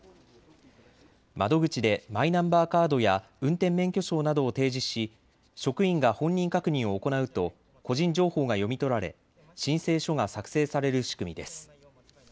窓口でマイナンバーカードや運転免許証などを提示し職員が本人確認を行うと個人情報が読み取られ、申請書が作成される仕組みです。